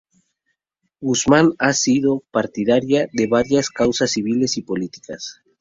Guzmán ha sido partidaria de varias causas civiles y políticas.